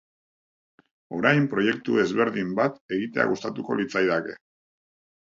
Orain, proiektu ezberdin bat egitea gustatuko litzaidake.